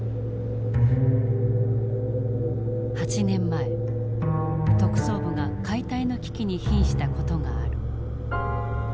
８年前特捜部が解体の危機にひんした事がある。